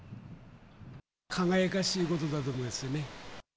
輝かしいことだと思いますね。